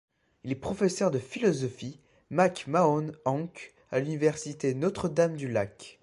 Il est professeur de philosophie McMahon-Hank à l'université Notre-Dame-du-Lac.